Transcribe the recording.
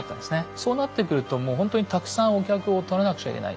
そうなってくるともうほんとにたくさんお客をとらなくちゃいけない。